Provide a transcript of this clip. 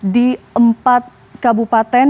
di empat kabupaten